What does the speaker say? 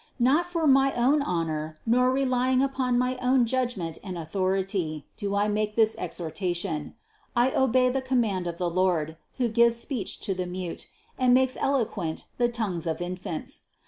Not for my own honor, nor relying upon my own judgment and authority, do I make this exhortation: I obey the com mand of the Lord, who gives speech to the mute, and makes eloquent the tongues of infants.